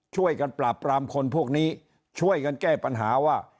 ช่วยกันปราบปรามคนพวกนี้ช่วยกันแก้ปัญหาว่า